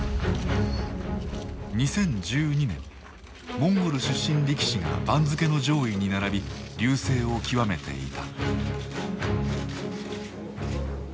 モンゴル出身力士が番付の上位に並び隆盛を極めていた。